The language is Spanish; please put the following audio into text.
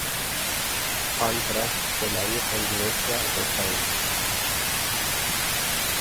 Pancras fue la vieja Iglesia de St.